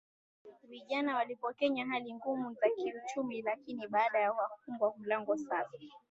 vijana waliopo kwenye hali ngumu za kiuchumi Lakini baadae wakafungua milango sasa kwa